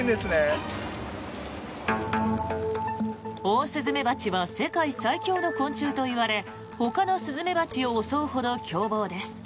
オオスズメバチは世界最強の昆虫といわれほかのスズメバチを襲うほど凶暴です。